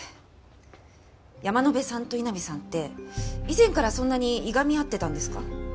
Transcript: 山野辺さんと井波さんって以前からそんなにいがみ合ってたんですか？